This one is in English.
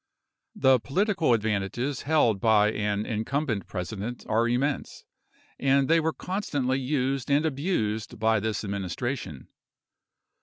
The political advantages held by an incumbent President are immense, and they were constantly used and abused by this administration.